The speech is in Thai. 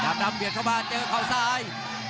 ดำดำเบียดเข้ามาเจอเขาซ้าย